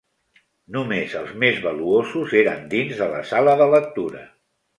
Només els més valuosos eren dins de la sala de lectura.